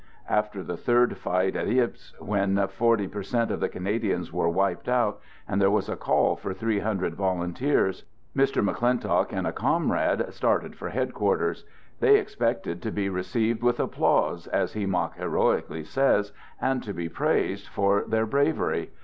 After the third fight at Ypres, when forty per cent, of the Canadians were wiped out, and there was a call for three hundred volunteers, Mr. Mc Clintock and a comrade started for headquarters. They expected to be received with applause, as he mock heroically says, and to be praised for their bravery.